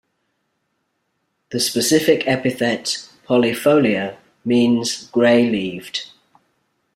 The specific epithet "polifolia" means "grey-leaved".